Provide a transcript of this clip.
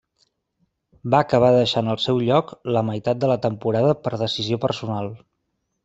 Va acabar deixant el seu lloc la meitat de la temporada per decisió personal.